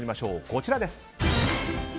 こちらです。